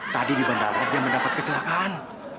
tadi di bandara dia mendapat kecelakaan